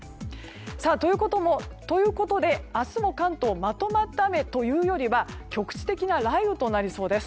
ということで明日も関東まとまった雨というよりは局地的な雷雨となりそうです。